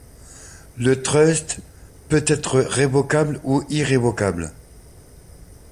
Le trust peut être révocable ou irrévocable.